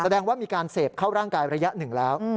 แสดงว่ามีการเสพเข้าร่างกายระยะหนึ่งแล้ว